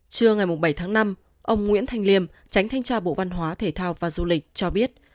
trưa ngày bảy tháng năm ông nguyễn thanh liêm tránh thanh tra bộ văn hóa thể thao và du lịch cho biết